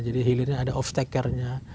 jadi hilirnya ada off stackernya